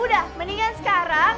udah mendingan sekarang